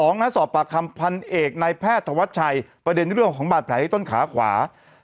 สอบปากคำพันเอกนายแพทย์ธวัชชัยประเด็นเรื่องของบาดแผลที่ต้นขาขวา